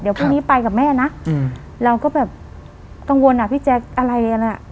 เดี๋ยวพรุ่งนี้ไปกับแม่นะเราก็แบบกังวลอ่ะพี่แจ๊คอะไรกันอ่ะ